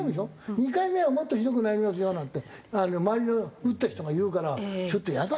「２回目はもっとひどくなりますよ」なんて周りの打った人が言うからちょっとイヤだなと思って。